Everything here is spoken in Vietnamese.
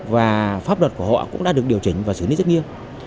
và pháp luật của họ cũng đã được điều chỉnh và xử lý rất nghiêm